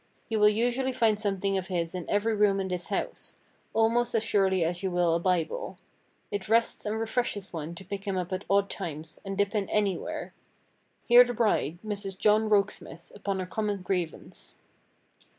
You will usually find something of his in every room in this house—almost as surely as you will a Bible. It rests and refreshes one to pick him up at odd times, and dip in anywhere. Hear the bride, Mrs. John Rokesmith, upon our common grievance.